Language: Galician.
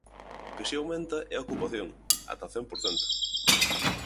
O que si aumenta é a ocupación, ata o cen por cento.